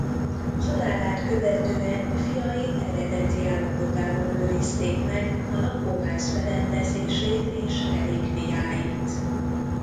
Halálát követően fiai eredeti állapotában őrizték meg a lakóház berendezését és relikviáit.